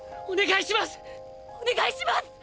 お願いします！！